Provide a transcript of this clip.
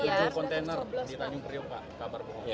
ada kabar bohong yang tersiar